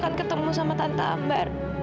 kamu akan terhanyut ayam pada nama mama